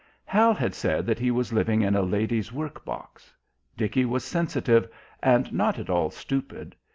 Hal had said that he was living in a lady's work box. Dickie was sensitive, and not at all stupid.